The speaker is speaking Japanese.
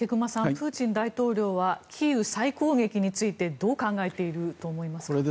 プーチン大統領はキーウ再攻撃についてどう考えていると思いますか？